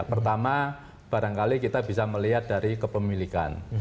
pertama barangkali kita bisa melihat dari kepemilikan